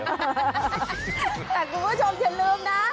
แต่คุณผู้ชมอย่าลืมนะ